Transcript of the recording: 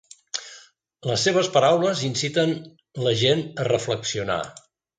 Les seves paraules inciten la gent a reflexionar.